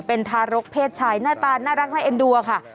เป็นทารกเพศชายหน้าตาน่ารักน่าเอ็นดูอะค่ะ